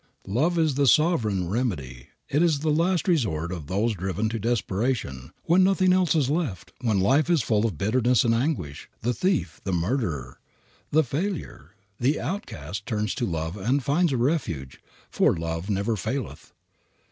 Love is the sovereign remedy. It is the last resort of those driven to desperation. When nothing else is left, when life is full of bitterness and anguish, the thief, the murderer, the failure, the outcast turns to Love and finds a refuge, for "Love never faileth."